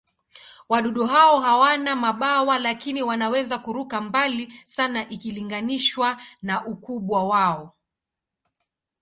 Wadudu hao hawana mabawa, lakini wanaweza kuruka mbali sana ikilinganishwa na ukubwa wao.